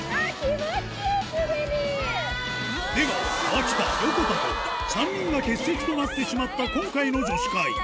河北横田と３人が欠席となってしまった今回の「女子会」